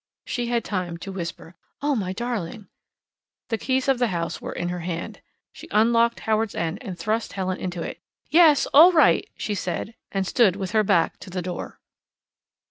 She had time to whisper: "Oh, my darling " The keys of the house were in her hand. She unlocked Howards End and thrust Helen into it. "Yes, all right," she said, and stood with her back to the door.